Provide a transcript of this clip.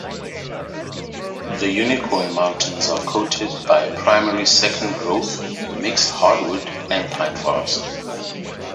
The Unicoi Mountains are coated by a primarily second-growth mixed hardwood and pine forest.